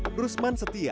kepala kepala kepala